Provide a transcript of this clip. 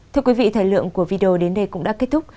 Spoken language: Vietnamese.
thời lượng của video đến đây cũng đã kết thúc